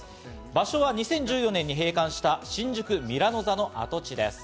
場所は２０１４年に閉館した新宿ミラノ座の跡地です。